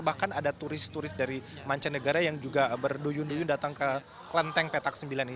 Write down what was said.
bahkan ada turis turis dari mancanegara yang juga berduyun duyun datang ke klenteng petak sembilan ini